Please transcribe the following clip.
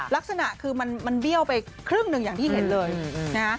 ลักษณะคือมันเบี้ยวไปครึ่งหนึ่งอย่างที่เห็นเลยนะฮะ